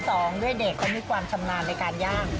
สองด้วยเด็กเขามีความชำนาญในการย่าง